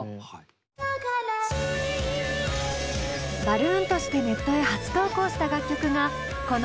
バルーンとしてネットへ初投稿した楽曲がこの「造形街」。